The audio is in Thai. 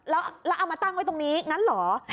แล้วเอามาตั้งไว้ตรงนี้งั้นเหรอ